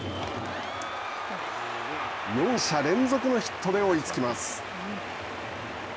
４者連続のヒットで追いつきます。